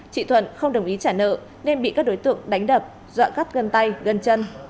chị thuận không đồng ý trả nợ nên bị các đối tượng đánh đập dọa cắt gân tay gần chân